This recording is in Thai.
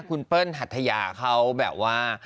คุณเปิ้ลหัทยาเขาแบบว่า